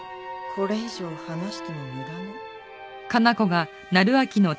これ以上話しても無駄ね。